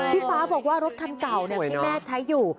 พี่ฟ้าบอกว่ารถคันเก่าที่แม่ใช้อยู่